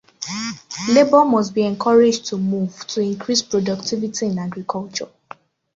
Labour must be encouraged to move to increase productivity in agriculture.